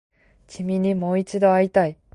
君にもう一度会いたい